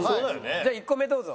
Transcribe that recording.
じゃあ１個目どうぞ。